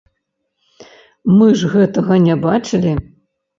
Мы ж гэтага не бачылі.